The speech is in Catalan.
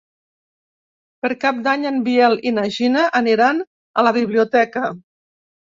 Per Cap d'Any en Biel i na Gina aniran a la biblioteca.